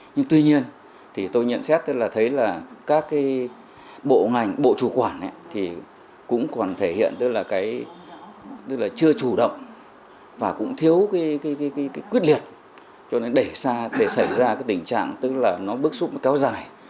nhưng tuy nhiên thì tôi nhận xét là thấy là các bộ ngành bộ chủ quản thì cũng còn thể hiện tức là chưa chủ động và cũng thiếu quyết liệt cho nên để xảy ra tình trạng tức là nó bức xúc kéo dài